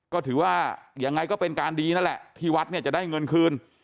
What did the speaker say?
ก็ถือว่ายังไงก็เป็นการดีนั่นแหละที่วัดเนี่ยจะได้เงินคืน